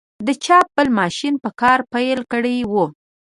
د چاپ بل ماشین په کار پیل کړی و.